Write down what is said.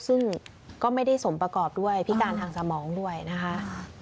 ซึ่งก็ไม่ได้สมประกอบด้วยพิการทางสมองด้วยนะคะ